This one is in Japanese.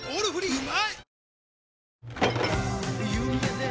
うまい！